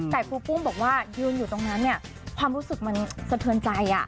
แต่ครูปุ้มบอกว่ายืนอยู่ตรงนั้นเนี่ยความรู้สึกมันสะเทือนใจ